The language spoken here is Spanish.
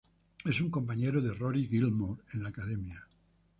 Es un compañero de Rory Gilmore en la Academia.